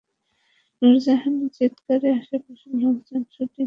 নুরজাহানের চিৎকারে আশপাশের লোকজন ছুটে গিয়ে তাঁর মুখ দিয়ে রক্ত বের হতে দেখেন।